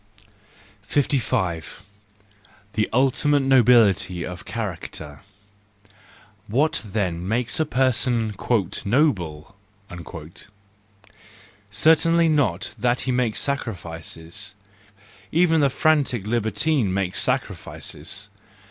The Ultimate Nobility of Character .—What then makes a person " noble "? Certainly not that he makes sacrifices; even the frantic libertine makes sacrifices.